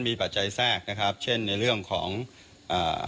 มีปัจจัยแทรกเช่นในเรื่องของเอ่อ